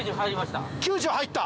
９０入った？